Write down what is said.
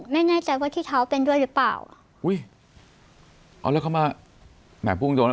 ไม่แน่ใจว่าที่เท้าเป็นด้วยหรือเปล่าอุ้ยอ๋อแล้วเข้ามาแหม่งพูด